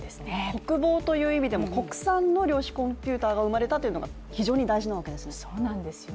国防という意味でも国産の量子コンピューターが生まれたというのが非常に大事なわけですよね。